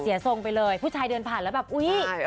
ทรงไปเลยผู้ชายเดินผ่านแล้วแบบอุ๊ย